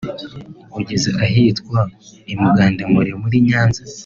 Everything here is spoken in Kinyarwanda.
ugeze ahitwa i Mugandamure muri Nyanza